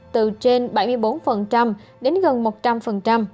từ trên bảy mươi bốn đến gần một trăm linh